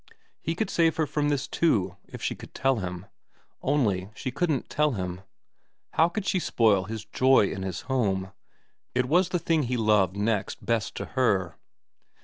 He could save her from this too if she could tell him ; only she couldn't tell him. How could she spoil his joy in his home ? It was the thing he loved next best to her.